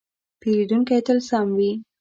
پیرودونکی تل سم وي.